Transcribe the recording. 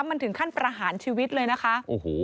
มันถึงขั้นประหารชีวิตเลยนะคะโอ้โห